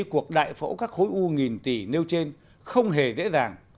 cuộc đại phẫu các khối u nghìn tỷ nêu trên không hề dễ dàng